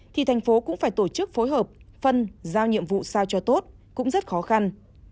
thì thành phố cũng phải tổ chức phối hợp phân giao nhiệm vụ sao cho tốt cũng rất khó khăn